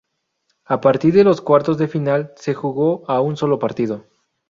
A partir de los cuartos de final, se jugó a un sólo partido.